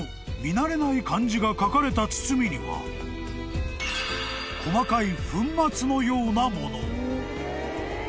慣れない漢字が書かれた包みには細かい］